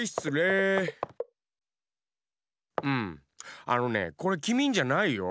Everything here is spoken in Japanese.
うんあのねこれきみんじゃないよ。